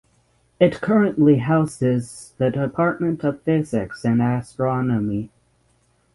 It currently houses the Department of Physics and Astronomy.